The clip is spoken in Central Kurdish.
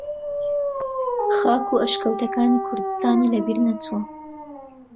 خاک و ئەشکەوتەکانی کوردستانی لە بیر نەچووە